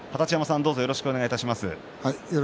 よろしくお願いします。